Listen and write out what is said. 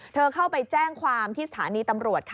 เข้าไปแจ้งความที่สถานีตำรวจค่ะ